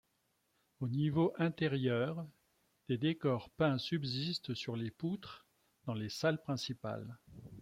Au niveau intérieur, des décors peints subsistent sur les poutres dans les salles principales.